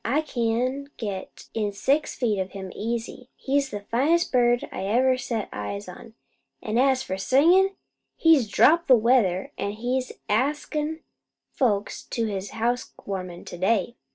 I can get in six feet of him easy. He's the finest bird I ever set eyes on; an' as for singin', he's dropped the weather, an' he's askin' folks to his housewarmin' to day.